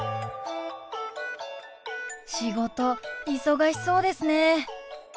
仕事忙しそうですね。